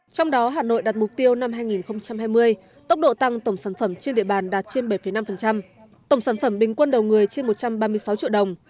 trong đó hà nội đặt mục tiêu năm hai nghìn hai mươi tốc độ tăng tổng sản phẩm trên địa bàn đạt trên bảy năm tổng sản phẩm bình quân đầu người trên một trăm ba mươi sáu triệu đồng